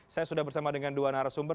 saya sudah bersama dengan dua narasumber